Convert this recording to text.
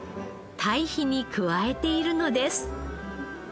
堆肥に加えているのです。